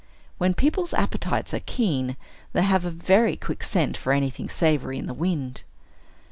When people's appetites are keen, they have a very quick scent for anything savory in the wind.